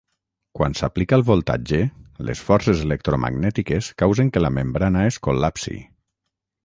Quan s'aplica el voltatge, les forces electromagnètiques causen que la membrana es col·lapsi.